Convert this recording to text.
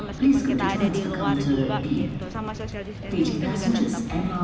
meskipun kita ada di luar juga gitu sama sosial diskeni juga tetap